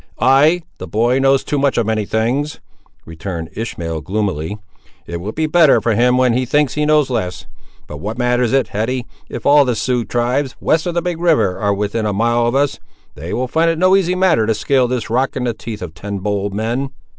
"Ay, the boy knows too much of many things," returned Ishmael, gloomily. "It will be better for him when he thinks he knows less. But what matters it, Hetty, if all the Sioux tribes, west of the big river, are within a mile of us; they will find it no easy matter to scale this rock, in the teeth of ten bold men."